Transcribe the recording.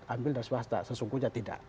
ambil dari swasta sesungguhnya tidak